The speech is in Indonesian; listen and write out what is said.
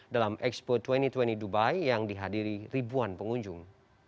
dalam expo dua ribu dua puluh dubai yang dihadiri ribuan pengunjung